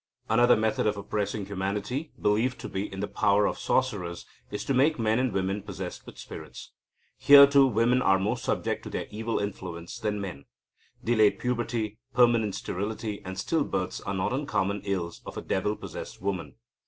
Another method of oppressing humanity, believed to be in the power of sorcerers, is to make men and women possessed with spirits. Here, too, women are more subject to their evil influence than men. Delayed puberty, permanent sterility, and still births, are not uncommon ills of a devil possessed woman.